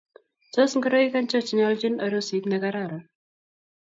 Tos ngoroik ancho chenyolchin arusit nekararan.